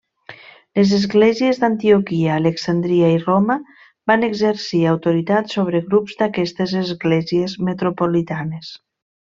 Les esglésies d'Antioquia, Alexandria i Roma van exercir autoritat sobre grups d'aquestes esglésies metropolitanes.